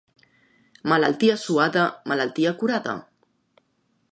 Malaltia suada, malaltia curada.